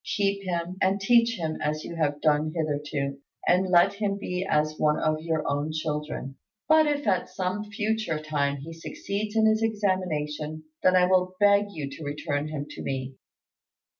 Keep him, and teach him as you have done hitherto, and let him be as one of your own children; but if at some future time he succeeds in his examination, then I will beg you to return him to me."